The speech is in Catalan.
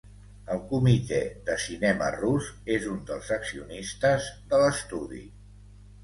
El comitè de cinema rus és un dels accionistes de l'estudi.